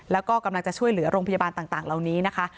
แล้วก็กำลังจะช่วยเหลือโรงพยาบาลต่างเหล่านี้นะคะ